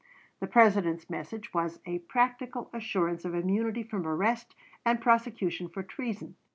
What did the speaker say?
The President's message was a practical assurance of immunity from arrest and prosecution for treason.